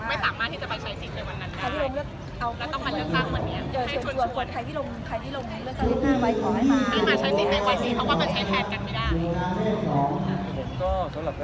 ไม่สามารถส่งมาแล้วใช้สิทธิ์ในวันนั้นได้